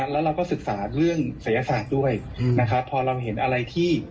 แล้วเราก็ศึกษาเรื่องด้วยอืมนะฮะพอเราเห็นอะไรที่